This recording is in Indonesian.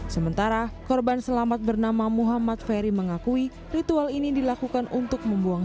sementara korban selamat bernama muhammad ferry mengakui ritual ini dilakukan untuk membuang